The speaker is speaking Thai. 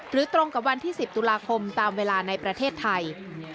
ตรงกับวันที่๑๐ตุลาคมตามเวลาในประเทศไทย